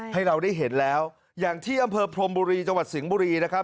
ให้เราได้เห็นแล้วอย่างที่อำเภอพรมบุรีจังหวัดสิงห์บุรีนะครับ